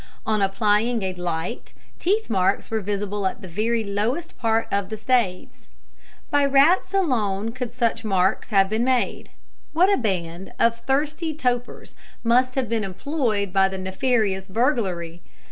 On applying a light, teeth marks were visible at the very lowest part of the staves. By rats alone could such marks have been made. What a band of thirsty topers must have been employed in the nefarious burglary!